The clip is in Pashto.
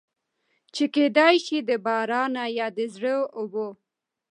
چې کېدے شي د بارانۀ يا د زړو اوبو